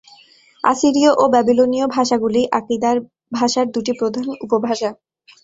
আসিরীয় ও ব্যাবিলনীয় ভাষাগুলি আক্কাদীয় ভাষার দুইটি প্রধান উপভাষা।